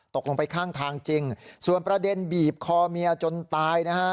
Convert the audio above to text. ตกลงไปข้างทางจริงส่วนประเด็นบีบคอเมียจนตายนะฮะ